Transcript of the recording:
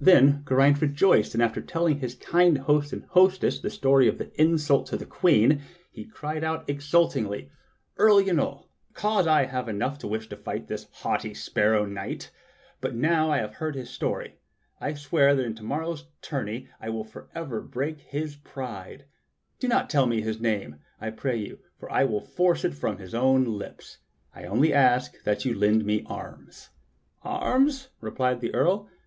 Then Geraint rejoiced, and after telling his kind host and hostess the story of the insult to the Queen, he cried out exultingl}': "Earl Yniol cause had I enough before to wish to fight this haughty Sparrow Hawk, but now that I have heard this story, I swear that in to morrow's tourney I will forever break his pride. GERAINT WITH THE SPARROW HAWK 59 Do not tell me his name, I pray you, for I will force it from his own lips. I only ask that you lend me arms." "Arms.?" replied the Earl.